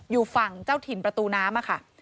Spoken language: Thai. อยู่ฝั่งเจ้าถิ่นประตูน้ำค่ะ